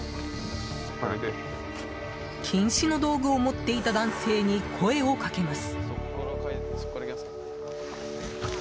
禁止の道具を持っていた男性に声をかけます。